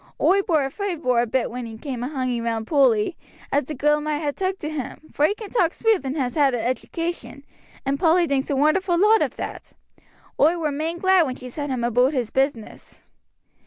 Oi wur afraid vor a bit when he came a hanging aboot Polly, as the gal might ha' took to him, for he can talk smooth and has had edication, and Polly thinks a wonderful lot of that. Oi were main glad when she sent him aboot his business."